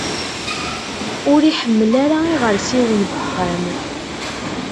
Ur iḥemmel ara iɣersiwen n wexxam.